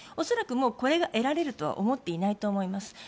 恐らくこれが得られるとは思っていないと思います。